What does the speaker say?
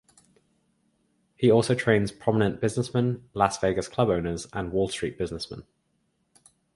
He also trains prominent businessmen, Las Vegas club owners, and Wall Street businessmen.